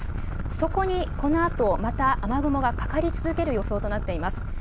そこにこのあと、また雨雲がかかり続ける予想となっています。